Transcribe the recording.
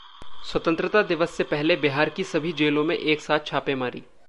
स्वतंत्रता दिवस से पहले बिहार की सभी जेलों में एक साथ छापेमारी